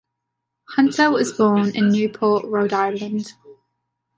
Hunter was born in Newport, Rhode Island.